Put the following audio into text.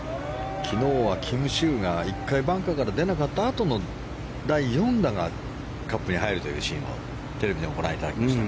昨日はキム・シウが１回バンカーから出なかったあとの第４打がカップに入るというシーンをテレビでご覧いただきました。